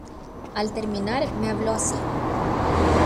al terminar, me habló así: